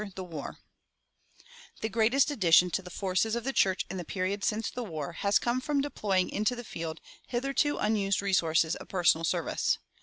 The greatest addition to the forces of the church in the period since the war has come from deploying into the field hitherto unused resources of personal service.